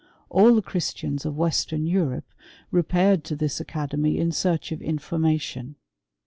All the Christians of Western Europe re* paired to this academy in search of information.